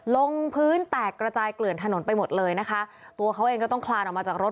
ลงพื้นแตกกระจายเกลื่อนถนนไปหมดเลยนะคะตัวเขาเองก็ต้องคลานออกมาจากรถ